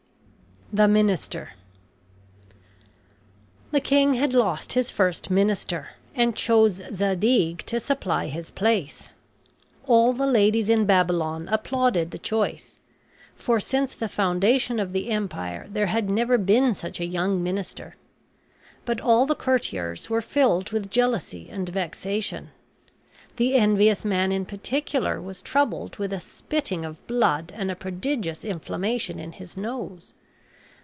THE MINISTER The king had lost his first minister and chose Zadig to supply his place. All the ladies in Babylon applauded the choice; for since the foundation of the empire there had never been such a young minister. But all the courtiers were filled with jealousy and vexation. The envious man in particular was troubled with a spitting of blood and a prodigious inflammation in his nose.